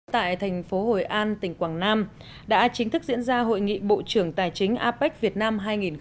tại thành phố hội an tỉnh quảng nam đã chính thức diễn ra hội nghị bộ trưởng tài chính apec việt nam hai nghìn một mươi chín